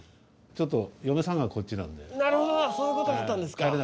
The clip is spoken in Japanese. ちょっと嫁さんがこっちなんでなるほどなそういうことだったんですか